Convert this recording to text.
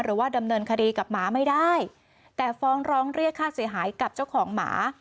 หรือว่าดำเนินคดีกับหมาไม่ได้แต่ฟ้องร้องเรียกค่าเสียหายกับเจ้าของหมา